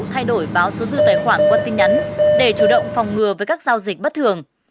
thay đổi báo số dư tài khoản qua tin nhắn để chủ động phòng ngừa với các giao dịch bất thường